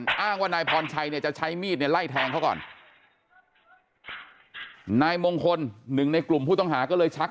อ้างว่านายพรชัยเนี่ยจะใช้มีดเนี่ยไล่แทงเขาก่อนนายมงคลหนึ่งในกลุ่มผู้ต้องหาก็เลยชัก